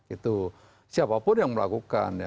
itu siapapun yang melakukan